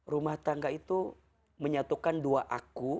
rumah tangga itu menyatukan dua aku